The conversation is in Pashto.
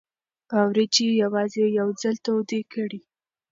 وریجې یوازې یو ځل تودې کړئ.